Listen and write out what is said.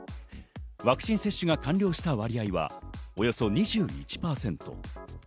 ワクチン接種が完了した割合はおよそ２１％。